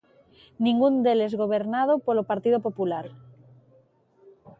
Ningún deles gobernado polo Partido Popular.